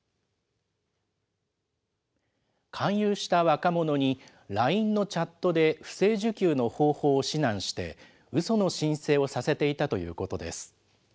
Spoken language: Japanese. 勧誘した若者に、ＬＩＮＥのチャットで不正受給の方法を指南して、うその申請をさせていたということです。